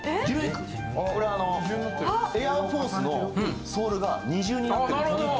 これエアフォースのソールが二重になってるんです。